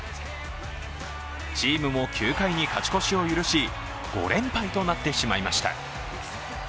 チームも９回に勝ち越しを許し、５連敗となってしまいました。